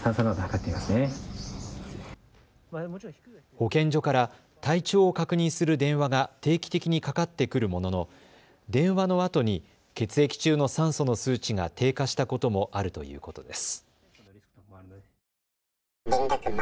保健所から体調を確認する電話が定期的にかかってくるものの電話のあとに血液中の酸素の数値が低下したこともあるということです。